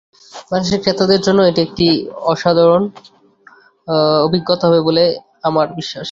বাংলাদেশের ক্রেতাদের জন্য এটি একটি অসাধারণ অভিজ্ঞতা হবে বলে আমার বিশ্বাস।